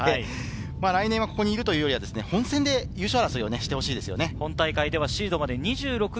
来年はここにいるより本選で優勝争いしてほしいですね。